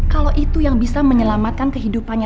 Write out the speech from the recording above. kalau itu yang bisa menyelamatkan kehidupannya